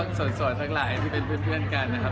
สวยทั้งหลายที่เป็นเพื่อนกันนะครับ